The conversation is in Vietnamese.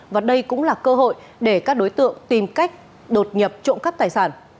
và đây cũng là cơ hội để các đối tượng tìm cách đột nhập trộm cắp tài sản